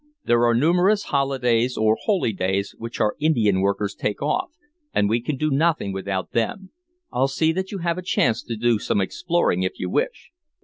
There are numerous holidays, or holy days, which our Indian workers take off, and we can do nothing without them. I'll see that you have a chance to do some exploring if you wish."